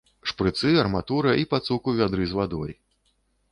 Шпрыцы, арматура і пацук у вядры з вадой.